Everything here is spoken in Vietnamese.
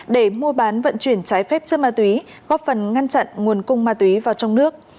để mua bán vận chuyển trái phép chất ma túy góp phần ngăn chặn nguồn cung ma túy vào trong nước